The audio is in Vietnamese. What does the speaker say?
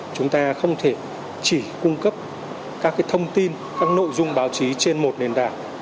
chúng ta không thể chỉ cung cấp các thông tin các nội dung báo chí trên một nền tảng